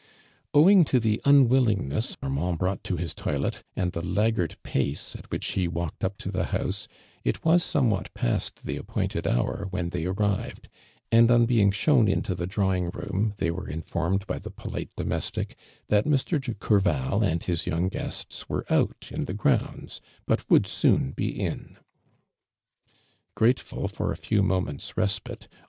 Owing to the unwillingness Armand brought to his toilet, and the laggard pace at which he walkeil ujt to the house, it was somewhat past the ai)poiiite(l hour when they aiiived: and on being s}iown into the drawing room, they were informed by the polite doinestic that Mr. de Courval and bis young guests were out in the grounds, but would soon l»e in. (Jraieful for a few moments resj/ite.